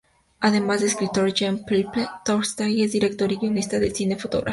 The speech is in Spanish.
Además de escritor, Jean-Philippe Toussaint es director y guionista de cine y fotógrafo.